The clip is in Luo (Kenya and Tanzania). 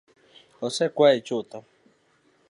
Osekwanye chuth